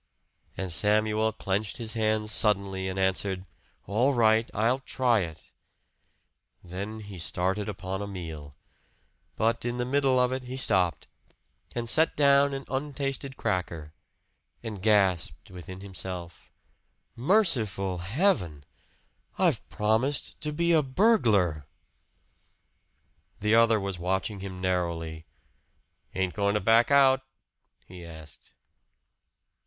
And Samuel clenched his hands suddenly and answered "All right, I'll try it!" Then he started upon a meal. But in the middle of it he stopped, and set down an untasted cracker, and gasped within himself "Merciful Heaven! I've promised to be a burglar!" The other was watching him narrowly. "Ain't going to back out?" he asked.